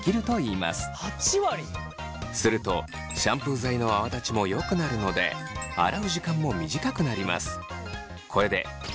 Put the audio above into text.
するとシャンプー剤の泡立ちもよくなるので洗う時間も短くなります。